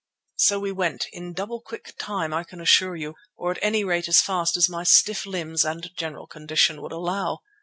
So we went, in double quick time I can assure you, or at any rate as fast as my stiff limbs and general condition would allow.